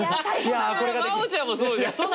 まもちゃんもそうじゃん。